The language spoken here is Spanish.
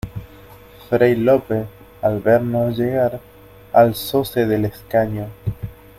fray Lope, al vernos llegar , alzóse del escaño: